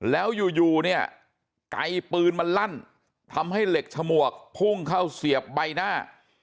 แล้วอยู่เนี่ยไกลปืนมันลั่นทำให้เหล็กฉมวกพุ่งเข้าเสียบใบหน้า